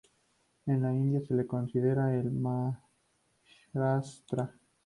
En la India se lo considera el de Maharashtra.